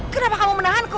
kenapa kamu menahanku